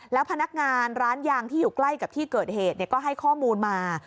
แล้วพนักงานร้านยางที่อยู่ใกล้กับที่เกิดเหตุก็ให้ข้อมูลมา